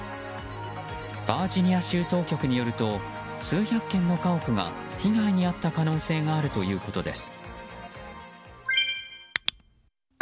バージニア州当局によると数百軒の家屋が被害に遭った可能性があるということです。